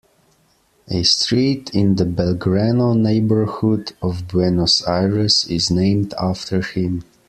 A street in the Belgrano neighborhood of Buenos Aires is named after him.